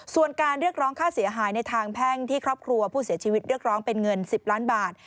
ส่วนการเรียกร้องค่าเสียหายในทางแพ่งที่ครอบครัวผู้เสียชีวิตเรียกร้องเป็นเงิน๑๐ล้านบาท